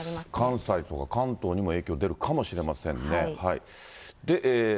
関西とか関東にも影響出るかもしれませんね。